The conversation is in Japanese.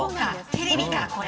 テレビか、これ。